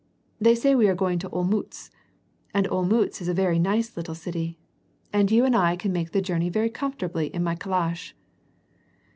They say we are going to Olmutz. And Olmiitz is a very nice little city. And you and I can make the journey very comfortably in my calash."